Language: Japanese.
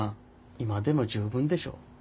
今でも十分でしょ。